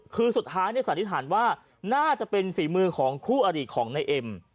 คือสุดท้ายสันนิษฐานว่าน่าจะเป็นฝีมือของคู่อดีตของนายเอ็ม